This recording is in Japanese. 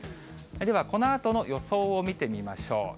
では、このあとの予想を見てみましょう。